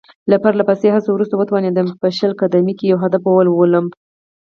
له پرله پسې هڅو وروسته وتوانېدم چې په شل قدمۍ کې یو هدف وولم.